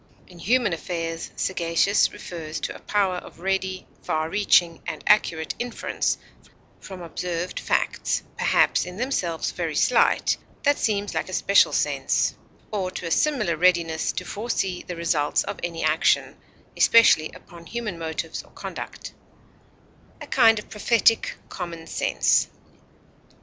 In human affairs sagacious refers to a power of ready, far reaching, and accurate inference from observed facts perhaps in themselves very slight, that seems like a special sense; or to a similar readiness to foresee the results of any action, especially upon human motives or conduct a kind of prophetic common sense.